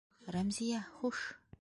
Рәмзиә, хуш!